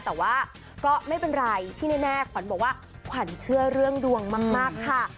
แต่ว่าก็ไม่เป็นไรที่แน่ขวัญบอกว่าขวัญเชื่อเรื่องดวงมากค่ะ